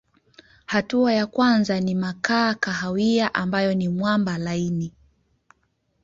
Hatua ya kwanza ni makaa kahawia ambayo ni mwamba laini.